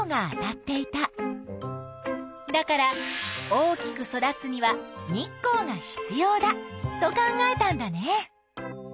だから大きく育つには日光が必要だと考えたんだね。